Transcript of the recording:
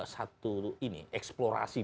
satu ini eksplorasi